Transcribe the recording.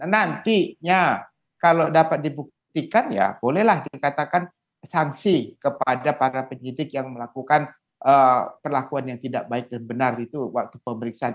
nantinya kalau dapat dibuktikan ya bolehlah dikatakan sanksi kepada para penyidik yang melakukan perlakuan yang tidak baik dan benar itu waktu pemeriksaan